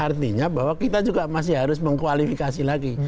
artinya bahwa kita juga masih harus mengkualifikasi lagi